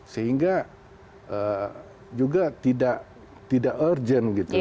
sehingga juga tidak urgent